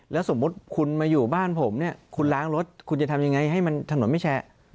แล้วสมมุติคุณมาอยู่บ้านผมเนี่ยคุณล้างรถคุณจะทำยังไงให้มันถนนไม่แชะ